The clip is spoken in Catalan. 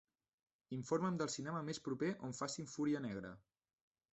Informa'm del cinema més proper on facin "Fúria negra".